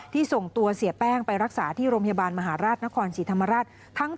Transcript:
ส่งตัวเสียแป้งไปรักษาที่โรงพยาบาลมหาราชนครศรีธรรมราช